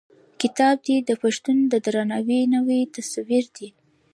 کتاب: دی د پښتون د درناوي نوی تصوير دی.